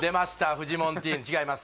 フジモンティーヌ違います